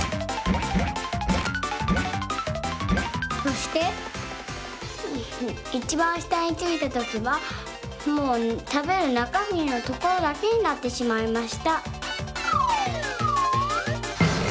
そしていちばんしたについたときはもうたべるなかみのところだけになってしまいました。